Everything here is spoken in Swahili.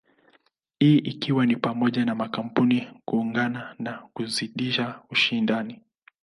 Hii ikiwa ni pamoja na makampuni kuungana na kuzidisha ushindani.